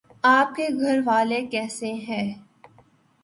آپ کے گھر والے کیسے ہے